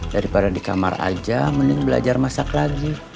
daripada di kamar aja mending belajar masak lagi